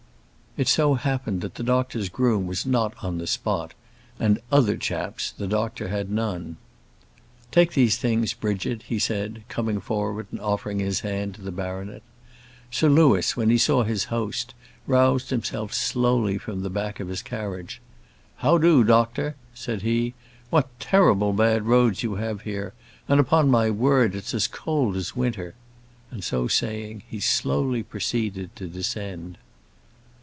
It so happened that the doctor's groom was not on the spot, and "other chaps" the doctor had none. "Take those things, Bridget," he said, coming forward and offering his hand to the baronet. Sir Louis, when he saw his host, roused himself slowly from the back of his carriage. "How do, doctor?" said he. "What terrible bad roads you have here! and, upon my word, it's as cold as winter:" and, so saying, he slowly proceeded to descend.